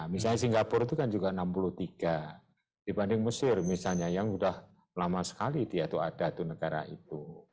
misalnya singapura itu kan juga enam puluh tiga dibanding mesir misalnya yang sudah lama sekali dia itu ada tuh negara itu